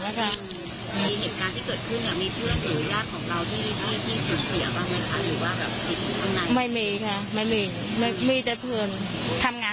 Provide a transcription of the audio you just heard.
แสดงว่าหลายคนที่เสียชีวิตก็จะเป็นมันะงาน